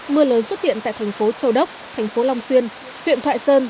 mưa lớn xuất hiện tại thành phố châu đốc thành phố long xuyên huyện thoại sơn